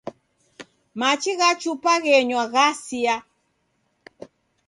Machi gha chupa ghenywa ghasia.